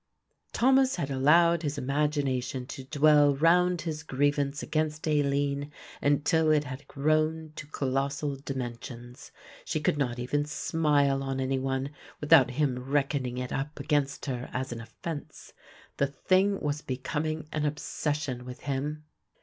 Thomas had allowed his imagination to dwell round his grievance against Aline until it had grown to colossal dimensions. She could not even smile on any one without him reckoning it up against her as an offence. The thing was becoming an obsession with him.